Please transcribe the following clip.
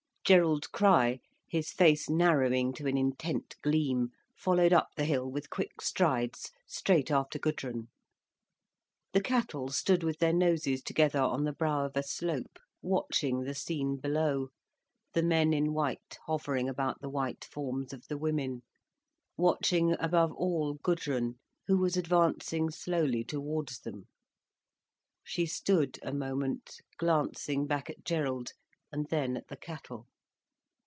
Gerald Crich, his face narrowing to an intent gleam, followed up the hill with quick strides, straight after Gudrun. The cattle stood with their noses together on the brow of a slope, watching the scene below, the men in white hovering about the white forms of the women, watching above all Gudrun, who was advancing slowly towards them. She stood a moment, glancing back at Gerald, and then at the cattle.